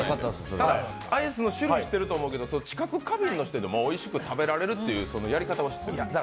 アイスの種類は知ってると思うけど、知覚過敏の人でもおいしく食べられるという、そのやり方を知ってるんですよね。